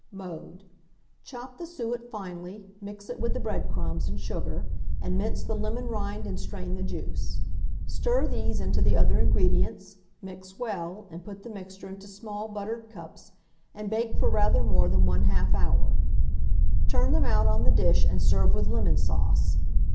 Mode. Chop the suet finely, mix it with the bread crumbs and sugar, and mince the lemon rind and strain the juice; stir these into the other ingredients, mix well, and put the mixture into small buttered cups, and bake for rather more than 1/2 hour; turn them out on the dish, and serve with lemon sauce.